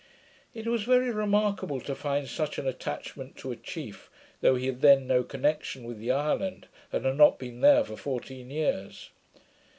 It was very remarkable to find such an attachment to a chief, though he had then no connection with the island, and had not been there for fourteen years.